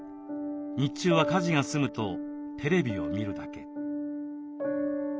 日中は家事が済むとテレビを見るだけ。